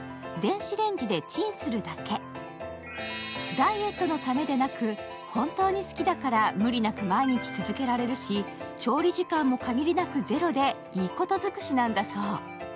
ダイエットのためでなく本当に好きだから無理なく毎日続けられるし、調理時間も限りなくゼロでいいこと尽くしなんだそう。